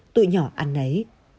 tụi nhỏ ăn ấy